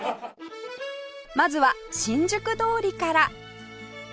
まずは新宿通りから